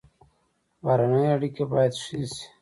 بهرنۍ اړیکې باید ښې شي